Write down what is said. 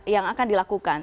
yang akan dilakukan